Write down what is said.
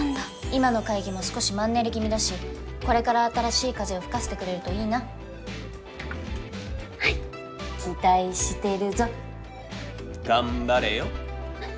今の会議も少しマンネリ気味だしこれから新しい風を吹かせてくれるといいなはい期待してるぞ頑張れよ